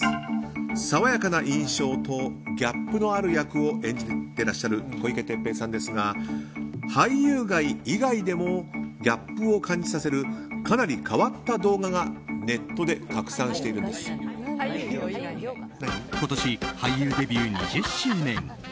爽やかな印象とギャップのある役を演じてらっしゃる小池徹平さんですが俳優業以外でもギャップを感じさせるかなり変わった動画が今年俳優デビュー２０周年。